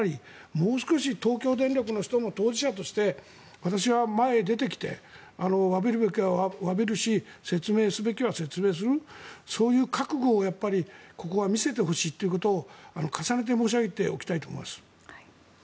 もう少し東京電力の人も当事者として私は前へ出てきてわびるべきはわびるし説明すべきは説明するそういう覚悟をここは見せてほしいということを重ねて申し上げておきたいと思います。